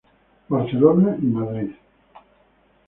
Barcelona y Madrid.